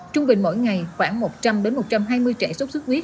trung bình mỗi ngày khoảng một trăm linh một trăm hai mươi trẻ sốt sốt khuyết